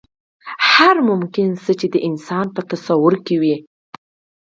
هر ممکن څه چې د انسان په تصور کې وي.